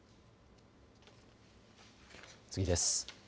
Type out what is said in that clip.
次です。